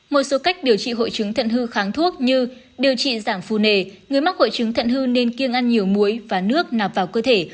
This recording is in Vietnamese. một số cách điều trị hội chứng thận hư kháng thuốc như điều trị giảm phù nề người mắc hội chứng thận hư nên kiêng ăn nhiều muối và nước nạp vào cơ thể